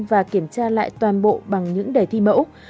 và kiểm tra lại toàn bộ bằng những đề thi mẫu